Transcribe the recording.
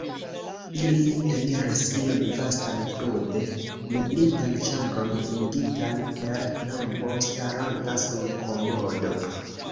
Ili eniris iom vastan, krude meblitan ĉambron, lumigitan per lampo staranta sur komodo.